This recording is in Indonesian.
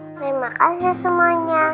terima kasih semuanya